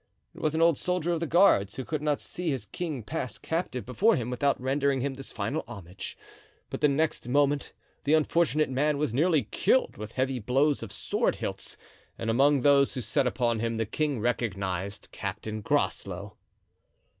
It was an old soldier of the guards who could not see his king pass captive before him without rendering him this final homage. But the next moment the unfortunate man was nearly killed with heavy blows of sword hilts, and among those who set upon him the king recognized Captain Groslow.